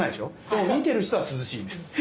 でも見てる人は涼しいんですね。